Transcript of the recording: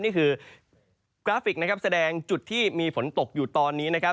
นี่คือกราฟิกแสดงจุดที่มีฝนตกอยู่ตอนนี้